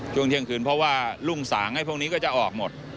ช่วงเที่ยงคืนเพราะว่ารุ่งสางไอ้พวกนี้ก็จะออกหมด